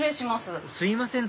すいません